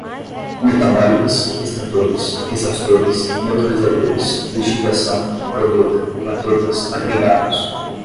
metabólicas, extratores, exaustores, neutralizadores, lixiviação, proveta, plaquetas, agregados